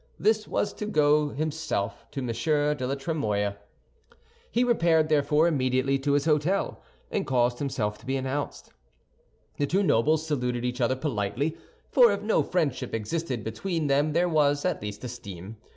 This was to go himself to M. de la Trémouille. He repaired, therefore, immediately to his hôtel, and caused himself to be announced. The two nobles saluted each other politely, for if no friendship existed between them, there was at least esteem.